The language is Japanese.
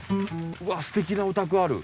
うわっすてきなお宅ある。